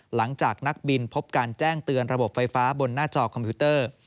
หลังจากนักบินพบการแจ้งเตือนระบบไฟฟ้าบนหน้าจอคอมพิวเตอร์